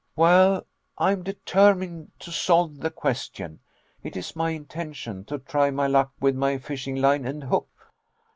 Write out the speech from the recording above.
"Well, I am determined to solve the question. It is my intention to try my luck with my fishing line and hook."